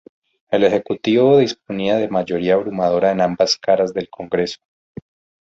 El Ejecutivo disponía de mayoría abrumadora en ambas cámaras del Congreso.